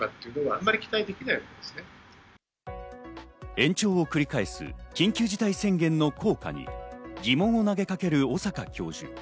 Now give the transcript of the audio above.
延長を繰り返す緊急事態宣言の効果に疑問を投げかける小坂教授。